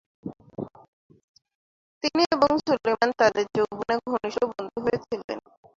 তিনি এবং সুলেমান তাদের যৌবনে ঘনিষ্ঠ বন্ধু হয়েছিলেন।